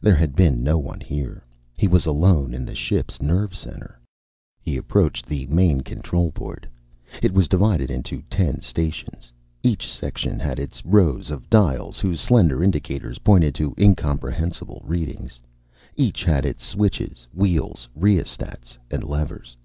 There had been no one here. He was alone in the ship's nerve center. He approached the main control board. It was divided into ten stations. Each section had its rows of dials, whose slender indicators pointed to incomprehensible readings. Each had its switches, wheels rheostats, and levers.